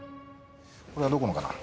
これはどこのかな？